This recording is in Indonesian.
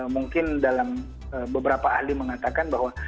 mungkin dalam beberapa ahli mengatakan bahwa